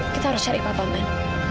kita harus cari papa man